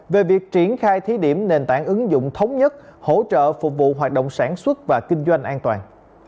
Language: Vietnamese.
về việc triển khai thí điểm nền tảng ứng dụng thống nhất hỗ trợ phục vụ hoạt động sản xuất và kinh doanh an toàn